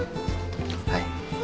はい。